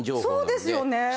そうですよね。